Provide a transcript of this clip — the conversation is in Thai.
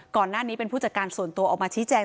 ก่อนหน้านี้เป็นผู้จัดการส่วนตัวออกมาชี้แจง